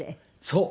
そう。